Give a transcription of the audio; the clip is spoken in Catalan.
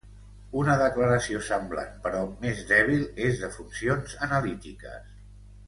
Una declaració semblant però més dèbil és de funcions analítiques.